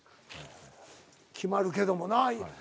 決まるけどもな。